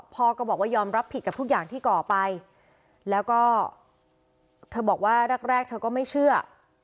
พ่อก็บอกว่ายอมรับผิดกับทุกอย่างที่ก่อไปแล้วก็เธอบอกว่าแรกแรกเธอก็ไม่เชื่อ